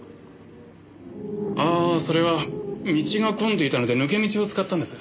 ああそれは道が混んでいたので抜け道を使ったんです。